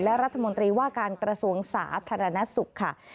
และรัฐมนตรีว่าการกระทรวงสาธารณสุขค่ะ